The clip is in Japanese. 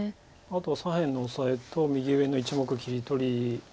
あとは左辺のオサエと右上の１目切り取りぐらいです